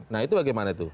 nah itu bagaimana itu